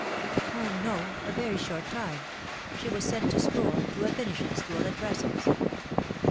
" O, no, a very short time ! She was sent to school to a finishing school at Brussels."